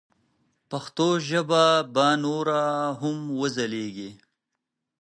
پښتو ژبه به نوره هم وځلیږي.